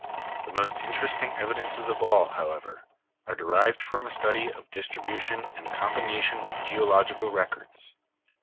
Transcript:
The most interesting evidences of all, however, are de rived from a study of distribution in combination with geological records.